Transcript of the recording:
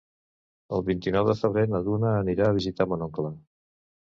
El vint-i-nou de febrer na Duna anirà a visitar mon oncle.